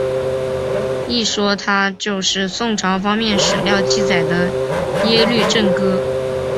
一说他就是宋朝方面史料记载的耶律郑哥。